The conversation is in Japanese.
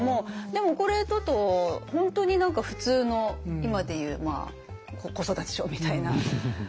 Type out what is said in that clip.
でもこれだと本当に何か普通の今でいう子育て書みたいな。